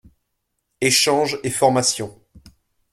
Échange et formation.